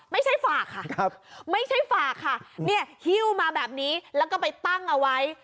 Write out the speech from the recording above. ไม่ใช่ฝากค่ะไม่ใช่ฝากค่ะเนี่ยฮิ้วมาแบบนี้แล้วก็ไปตั้งเอาไว้